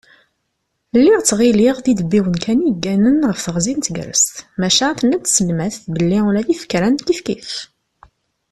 Lliɣ ttɣilliɣ d idebbiwen kan i yegganen ɣef teɣzi n tegrest, maca tenna-d tselmat belli ula d ifekran kifkif.